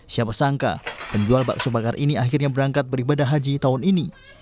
siapa sangka penjual bakso bakar ini akhirnya berangkat beribadah haji tahun ini